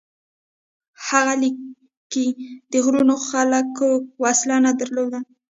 هغه لیکي: د غرونو خلکو وسله نه درلوده،